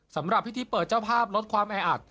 สำหรับพิธีเปิดเจ้าภาพลดความแออัด